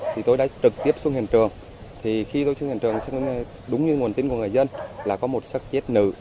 thì tôi đã trực tiếp xuống hiện trường thì khi tôi xuống hiện trường đúng như nguồn tin của người dân là có một sắc chết nữ